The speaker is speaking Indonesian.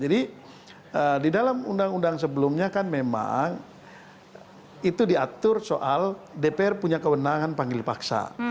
jadi di dalam undang undang sebelumnya kan memang itu diatur soal dpr punya kewenangan panggil paksa